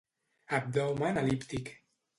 Abdomen el·líptic.